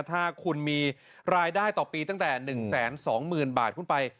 ถ้าคุณมีรายได้ต่อปีตั้งแต่๑๒๐๐๐บาทขึ้นไป